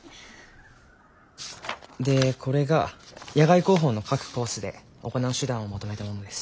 でこれが野外航法の各コースで行う手段をまとめたものです。